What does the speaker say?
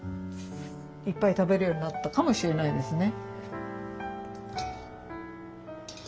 いっぱい食べるようになったかもしれないですね。